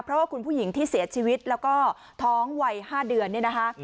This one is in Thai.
เพราะว่าคุณผู้หญิงที่เสียชีวิตแล้วก็ท้องวัย๕เดือนเนี่ยนะคะ